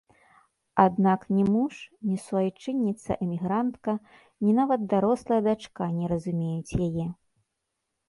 Аднак ні муж, ні суайчынніца-эмігрантка, ні нават дарослая дачка не разумеюць яе.